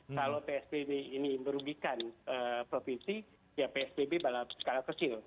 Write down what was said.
kalau psbb ini merugikan provinsi ya psbb dalam skala kecil